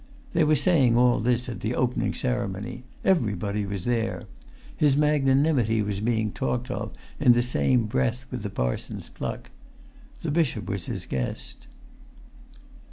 They were saying all this at the opening ceremony; everybody was there. His magnanimity was being talked of in the same breath with the parson's pluck. The bishop was his guest.